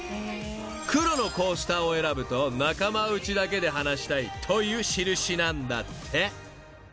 ［黒のコースターを選ぶと仲間内だけで話したいという印なんだって］